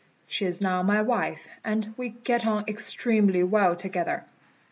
She is now my wife, and we get on extremely well together."